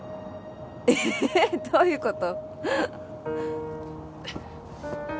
えっどういうこと？